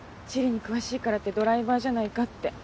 地理に詳しいからってドライバーじゃないかって。